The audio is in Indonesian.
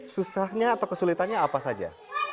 susahnya atau kesulitannya apa saja